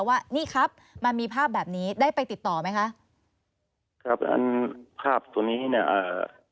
ว่านี่ครับมันมีภาพแบบนี้ได้ไปติดต่อไหมคะครับอันภาพตัวนี้เนี่ยอ่า